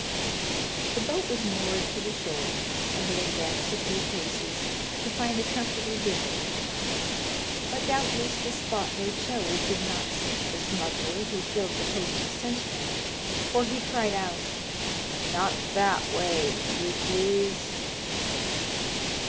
The boat was moored to the shore, and they advanced a few paces to find a comfortable bivouac; but, doubtless, the spot they chose did not suit the smuggler who filled the post of sentinel, for he cried out: "Not that way, if you please."